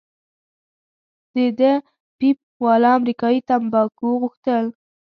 ده د پیپ والا امریکايي تمباکو غوښتل.